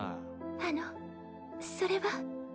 あのそれは。